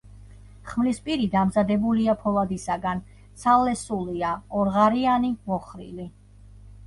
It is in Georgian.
ხმლის პირი დამზადებულია ფოლადისაგან, ცალლესულია, ორღარიანი, მოხრილი.